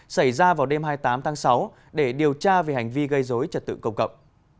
xảy ra vào đêm hai mươi tám tháng sáu để điều tra về hành vi gây dối trật tự công cộng